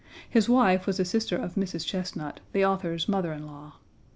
His wife was a sister of Mrs. Chesnut, the author's mother in law.